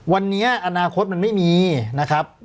วันนี้อนาคตมันไม่มีนะครับ